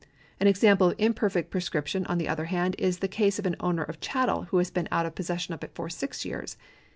Ail example of imperfect prescription, on the other hand, is the case of the owner of a chattel who has been out of possession of it for six years.